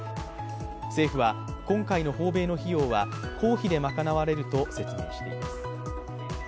政府は今回の訪米の費用は公費で賄われると説明しています。